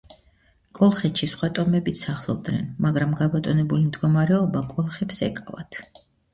კოლხეთში სხვა ტომებიც სახლობდნენ, მაგრამ გაბატონებული მდგომარეობა კოლხებს ეკავათ.